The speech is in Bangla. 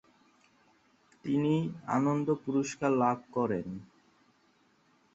তিনি আনন্দ পুরস্কার লাভ করেন।